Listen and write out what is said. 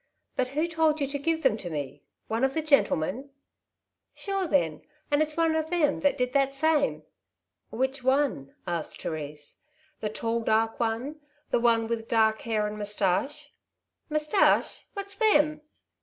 '' But who told you to give them to me— one of the gentlemen ?^''^ Sure then, and it^s one of them that did that same.^' '' Which one ?'' asked Therese. '' The tall, dark one ; the one with dark hair and moustache ?*''^ Moustache ? what's them